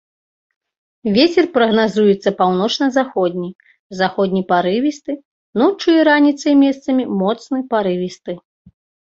Вецер прагназуецца паўночна-заходні, заходні парывісты, ноччу і раніцай месцамі моцны парывісты.